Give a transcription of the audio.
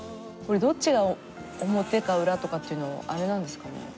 これどっちが表か裏とかっていうのあれなんですかね？